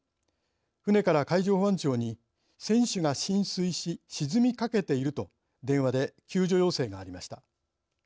船から海上保安庁に「船首が浸水し沈みかけている」と電話で救助要請がありました。